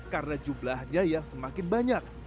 karena jumlahnya yang semakin banyak